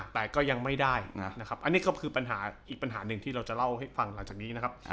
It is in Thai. แต่ก็ยังไม่ได้นะครับอันนี้ก็คือปัญหาอีกปัญหาหนึ่งที่เราจะเล่าให้ฟังหลังจากนี้นะครับ